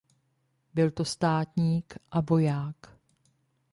Byl to státník a voják.